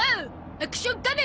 アクション仮面。